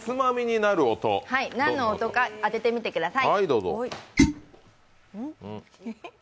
何の音か、当ててみてください。